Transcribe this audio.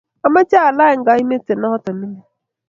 Ameche alany keimete noto mining